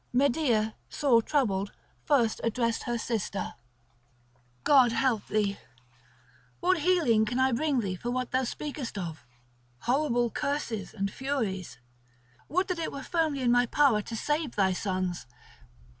Medea, sore troubled, first addressed her sister: "God help thee, what healing can I bring thee for what thou speakest of, horrible curses and Furies? Would that it were firmly in my power to save thy sons!